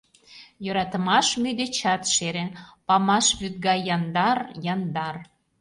Йӧратымаш мӱй дечат шере, Памаш вӱд гай яндар, яндар.